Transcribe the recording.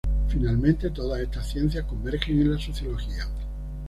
Finalmente, todas estas ciencias convergen en la sociología.